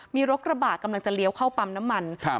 มีรถกระบะกำลังจะเลี้ยวเข้าปั๊มน้ำมันครับ